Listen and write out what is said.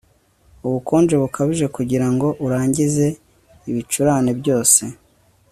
ubukonje bukabije kugirango urangize ibicurane byose